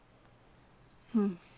うん。